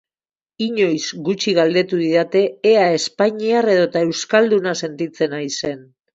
Inoiz gutxi galdetu didate ea espainiar edota euskalduna sentitzen naizen.